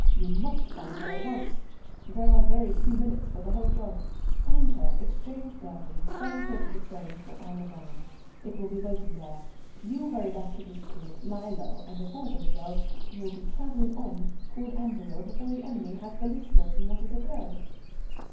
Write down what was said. You must find her at once. There are very few minutes for the whole job. Find her, exchange burthens, send her to the train for Aix les Bains. It will be waiting there. You hurry back to this coupé, lie low, and, if all goes well, you will be travelling on toward Amberieu before the enemy has the least notion what has occurred."